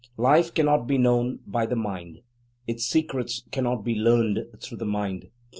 Life cannot be known by the "mind," its secrets cannot be learned through the "mind."